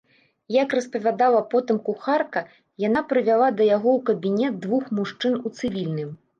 Як распавядала потым кухарка, яна прывяла да яго ў кабінет двух мужчын у цывільным.